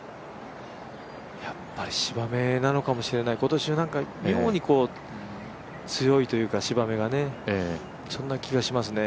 やっぱり芝目なのかもしれない今年はなんか妙に強いというか芝目がね、そんな気がしますね。